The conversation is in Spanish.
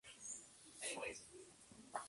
Guðrún prepara un banquete para Atli y su corte.